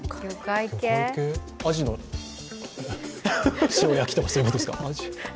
あじの塩焼きとかそういうことですか？